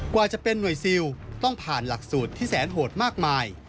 กว่าจะเป็นหน่วยซิลต้องผ่านหลักสูตรที่แสนโหดมากมาย